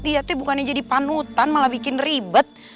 dia tuh bukannya jadi panutan malah bikin ribet